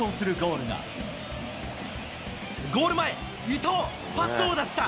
ゴール前、伊東、パスを出した。